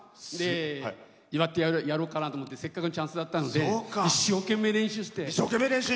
祝ってやろうかなと思ってせっかくチャンスだったので一生懸命、練習して。